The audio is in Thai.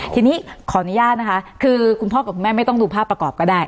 ทีนี้ขออนุญาตนะคะคือคุณพ่อกับคุณแม่ไม่ต้องดูภาพประกอบก็ได้